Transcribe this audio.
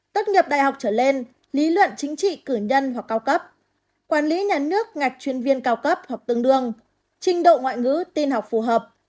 tốt nghiệp đại học trở lên lý luận chính trị cử nhân hoặc cao cấp quản lý nhà nước ngạch chuyên viên cao cấp hoặc tương đương trình độ ngoại ngữ tin học phù hợp